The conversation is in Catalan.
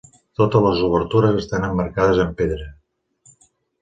Totes les obertures estan emmarcades amb pedra.